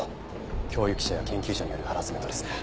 教育者や研究者によるハラスメントです。